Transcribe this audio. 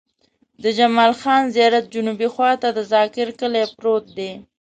د جمال خان زيارت جنوبي خوا ته د ذاکر کلی پروت دی.